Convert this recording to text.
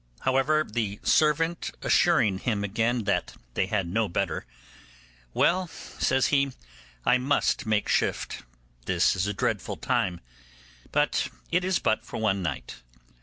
'However, the servant assuring him again that they had no better, 'Well,' says he, 'I must make shift; this is a dreadful time; but it is but for one night.